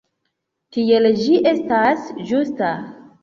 Tiel ĝi estas ĝusta.